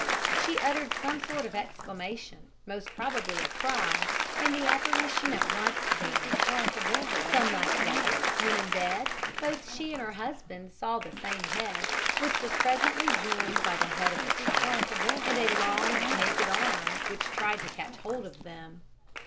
She uttered some sort of exclamation, most probably a cry, and the apparition at once vanished. Some nights later, when in bed, both she and her husband saw the same head, which was presently joined by the head of a child, and a long, naked arm, which tried to catch hold of them.